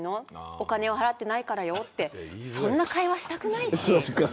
お金を払ってないからよってそんな会話したくないし。